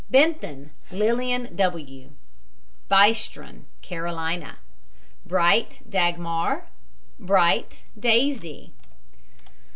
BENTHAN, LILLIAN W. BYSTRON, KAROLINA BRIGHT, DAGMAR. BRIGHT, DAISY.